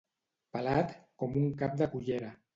Pelat com un cap de cullera.